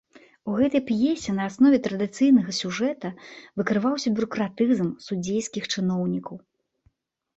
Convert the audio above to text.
У гэтай п'есе на аснове традыцыйнага сюжэта выкрываўся бюракратызм судзейскіх чыноўнікаў.